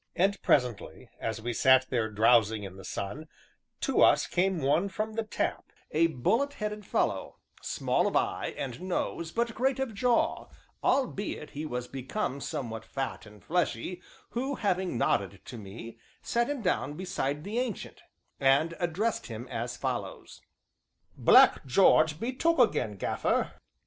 And presently, as we sat there drowsing in the sun, to us came one from the "tap," a bullet headed fellow, small of eye, and nose, but great of jaw, albeit he was become somewhat fat and fleshy who, having nodded to me, sat him down beside the Ancient, and addressed him as follows: "Black Jarge be 'took' again, Gaffer!"